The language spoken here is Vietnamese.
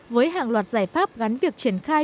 với hàng loạt giải pháp gắn việc triển khai